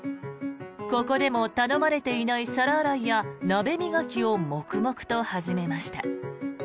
ここでも頼まれていない皿洗いや鍋磨きを黙々と始めました。